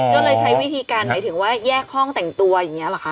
ก็เลยใช้วิธีการหมายถึงว่าแยกห้องแต่งตัวอย่างนี้หรอคะ